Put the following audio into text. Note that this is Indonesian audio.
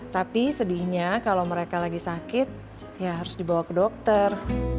tapi sedihnya kalau mereka lagi sakit ya harus dibawa ke dokter